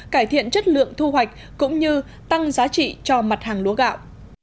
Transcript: cải thiện chất lượng thu hoạch cũng như tăng giá trị cho mặt hàng lúa gạo